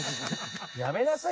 やめなさい